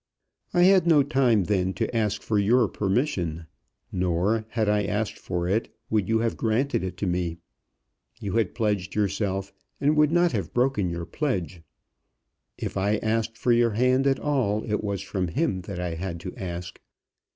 I had no time then to ask for your permission; nor, had I asked for it, would you have granted it to me. You had pledged yourself, and would not have broken your pledge. If I asked for your hand at all, it was from him that I had to ask.